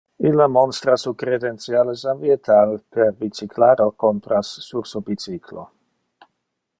Illa monstra su credentiales ambiental per bicyclar al compras sur su bicyclo.